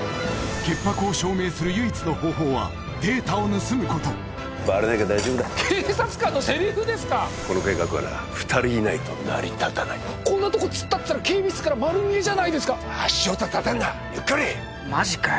潔白を証明する唯一の方法はデータを盗むことバレなきゃ大丈夫だ警察官のセリフですかこの計画はな二人いないと成り立たないこんなとこ突っ立ってたら警備室から丸見えじゃないですか足音たてんなゆっくりマジかよ